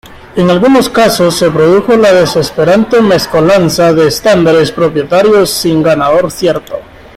En algunos casos, se produjo una desesperante mezcolanza de estándares propietarios, sin ganador cierto.